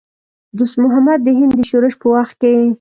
دوست محمد د هند د شورش په وخت کې.